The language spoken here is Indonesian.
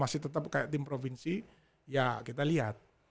masih tetap kayak tim provinsi ya kita lihat